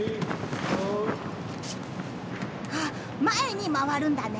あっ前に回るんだね。